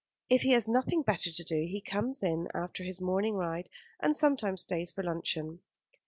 If he has nothing better to do he comes in after his morning ride, and sometimes stays for luncheon."